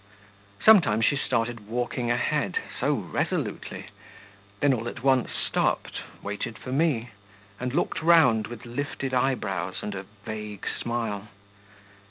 Sometimes she started walking ahead, so resolutely...then all at once stopped, waited for me, and looked round with lifted eyebrows and a vague smile.